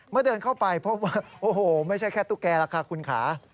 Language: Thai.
เดินเข้าไปพบว่าโอ้โหไม่ใช่แค่ตุ๊กแก่แล้วค่ะคุณค่ะ